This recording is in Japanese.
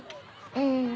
うん。